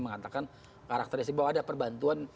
mengatakan karakteristik bahwa ada perbantuan